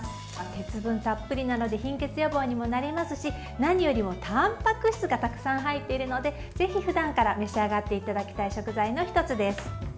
鉄分たっぷりなので貧血予防にもなりますし何よりも、たんぱく質がたくさん入っているのでぜひ、ふだんから召し上がっていただきたい食材の１つです。